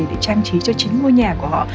để trang trí cho chính ngôi nhà của họ